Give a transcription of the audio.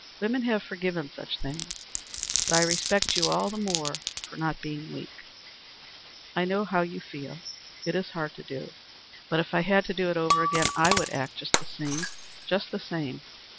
"Women have forgiven such things; but I respect you all the more for not being weak. I know how you feel. It is hard to do, but if I had it to do over again, I would act just the same just the same.